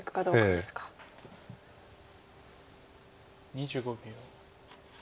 ２５秒。